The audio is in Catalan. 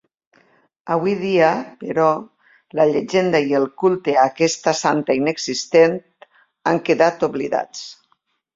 Avui dia, però, la llegenda i el culte a aquesta santa inexistent han quedat oblidats.